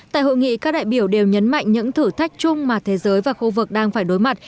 tại hội nghị các đại biểu đều nhấn mạnh những thử thách chung mà thế giới và khu vực đang phải đối mặt